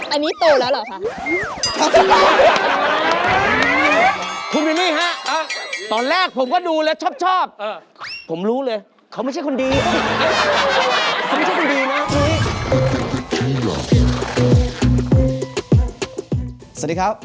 อันนี้เต่าแล้วหรอครับ